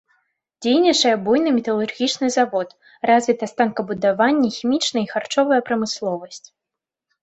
Дзейнічае буйны металургічны завод, развіта станкабудаванне, хімічная і харчовая прамысловасць.